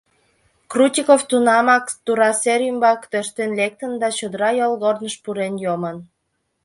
— Крутиков тунамак тура сер ӱмбак тӧрштен лектын да чодыра йолгорныш пурен йомын.